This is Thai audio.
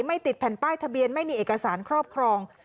ติดแผ่นป้ายทะเบียนไม่มีเอกสารครอบครอง